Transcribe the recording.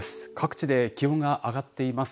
各地で気温が上がっています。